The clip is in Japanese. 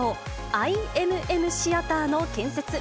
ＩＭＭシアターの建設。